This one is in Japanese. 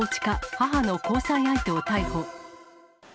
母の交際相手を逮捕。